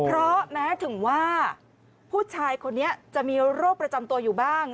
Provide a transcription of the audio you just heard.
เพราะแม้ถึงว่าผู้ชายคนนี้จะมีโรคประจำตัวอยู่บ้าง